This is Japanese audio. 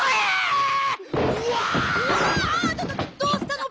どうしたの？